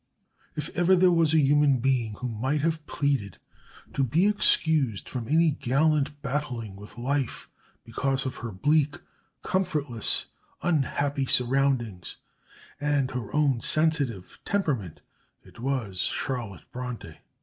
If ever there was a human being who might have pleaded to be excused from any gallant battling with life because of her bleak, comfortless, unhappy surroundings, and her own sensitive temperament, it was Charlotte Bronte.